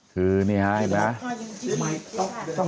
คือเนี่ยฮะอีกนะ